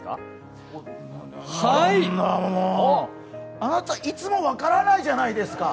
あなた、いつも分からないじゃないですか。